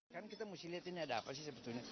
kan kita mesti lihat ini ada apa sih sebetulnya